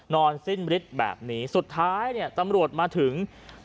นอนสิ้นริดแบบนี้สุดท้ายตำรวจมาถึง